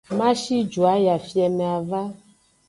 Ma shi ju ayi afieme ava.